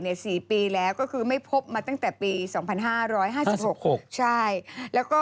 แต่ตอนนี้ไม่มา๔ปีแล้ว